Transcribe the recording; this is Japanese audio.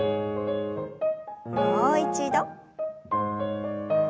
もう一度。